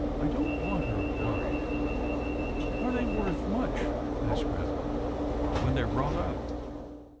I don't want her wor ried." " Are they worth much ?" asked grampa, " when they are brought up."